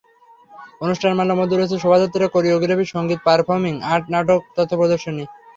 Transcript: অনুষ্ঠানমালার মধ্যে রয়েছে শোভাযাত্রা, কোরিওগ্রাফি, সংগীত, পারফর্মিং আর্ট, নাটক, তথ্যচিত্র প্রদর্শনী।